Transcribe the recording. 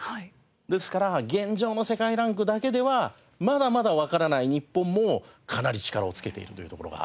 ですから現状の世界ランクだけではまだまだわからない日本もかなり力をつけているというところがあるんですね。